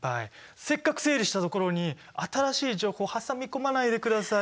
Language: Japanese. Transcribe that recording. せっかく整理したところに新しい情報挟み込まないでくださいよ！